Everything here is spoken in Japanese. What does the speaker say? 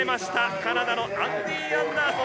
カナダのアンディー・アンダーソン。